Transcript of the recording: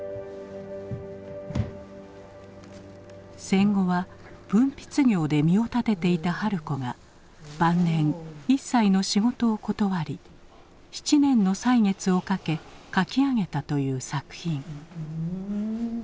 戦後は文筆業で身を立てていた春子が晩年一切の仕事を断り７年の歳月をかけ描き上げたという作品。